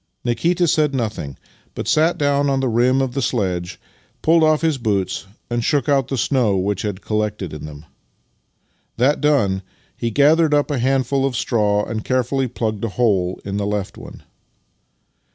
Nikita said nothing, but sat dovrn on the rim of the sledge, pulled off his boots, and shook out the snow which had collected in them. That done, he gathered up a handful of straw and carefully plugged a hole in the left one.